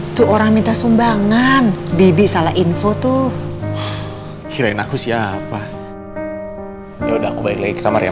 tapi pembunuh david atas gantengnya mimpiable